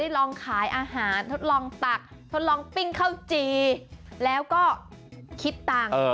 ลองขายอาหารทดลองตักทดลองปิ้งข้าวจีแล้วก็คิดตังค์